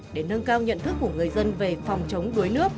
để nâng cao nhận thức của người dân về phòng chống đuối nước